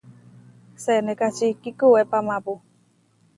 Senékači kikuwépamapu.